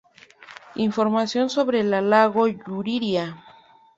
Información sobre el Lago Yuriria